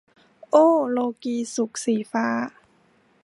โอ้ โลกีย์สุข - สีฟ้า